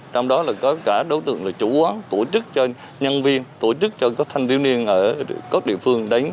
trong đó là có cả đối tượng là chủ quán tổ chức cho nhân viên tổ chức cho các thanh thiếu niên ở các địa phương đến